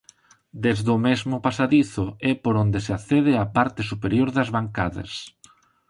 Desde o mesmo pasadizo é por onde se accede á parte superior das bancadas.